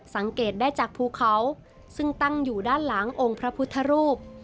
สังเกตได้จากภูเขาซึ่งตั้งอยู่ด้านหลังองค์พระพุทธรูป